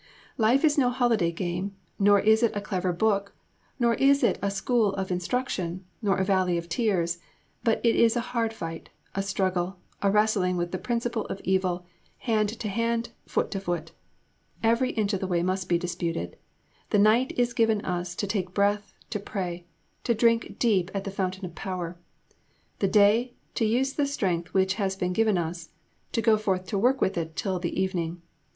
Life is no holiday game, nor is it a clever book, nor is it a school of instruction, nor a valley of tears; but it is a hard fight, a struggle, a wrestling with the Principle of Evil, hand to hand, foot to foot. Every inch of the way must be disputed. The night is given us to take breath, to pray, to drink deep at the fountain of power. The day, to use the strength which has been given us, to go forth to work with it till the evening.